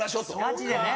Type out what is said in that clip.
ガチでね。